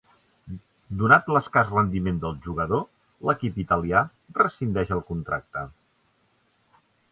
Donat l'escàs rendiment del jugador, l'equip italià rescindeix el contracte.